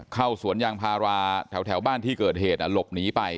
สวนยางพาราแถวบ้านที่เกิดเหตุหลบหนีไป